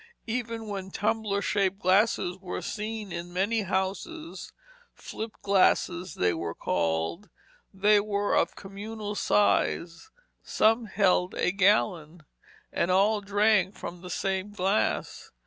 Even when tumbler shaped glasses were seen in many houses, flip glasses, they were called, they were of communal size, some held a gallon, and all drank from the same glass.